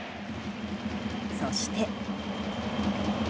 そして。